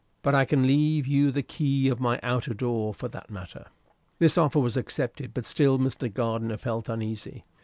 "But I can leave you the key of my outer door, for that matter." This offer was accepted; but still Mr. Gardiner felt uneasy.